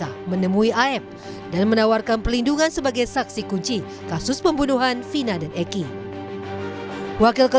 ya kalau dia mempunyai informasi penting untuk membuka pecahkan ini ya ngapain lah kita